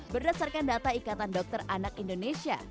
berdasarkan data ikatan dokter anak indonesia